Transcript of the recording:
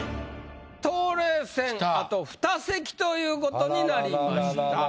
冬麗戦あと２席ということになりました。